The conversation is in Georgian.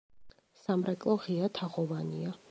სამრეკლო ღია თაღოვანია.